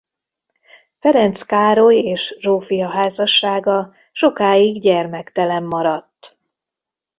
Ferenc Károly és Zsófia házassága sokáig gyermektelen maradt.